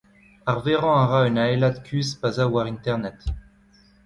Arverañ a ra un aelad kuzh pa 'z a war internet.